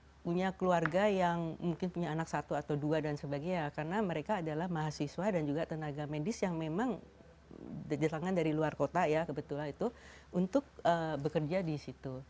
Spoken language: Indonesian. mereka punya keluarga yang mungkin punya anak satu atau dua dan sebagainya karena mereka adalah mahasiswa dan juga tenaga medis yang memang datang dari luar kota ya kebetulan itu untuk bekerja di situ